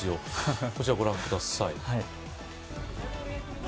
こちら御覧ください。